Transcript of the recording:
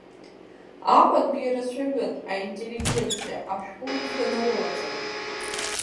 Аҟәантәи ирацәаҩын аинтеллигенциа, ашәҟәыҩҩцәа нарылаҵаны.